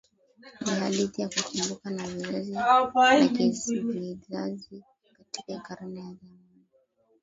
Ni hadithi ya kukumbukwa na vizazi na vizazi Katika Karne ya zamani